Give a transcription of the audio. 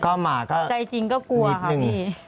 ก็มาถ้านิดหนึ่งใจจริงก็กลัวครับพี่